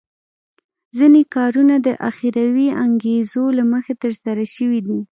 ځینې کارونه د اخروي انګېزو له مخې ترسره شوي دي.